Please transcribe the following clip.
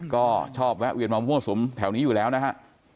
ก็ชอบแวะเวียนมามั่วสุมแถวนี้อยู่แล้วนะฮะ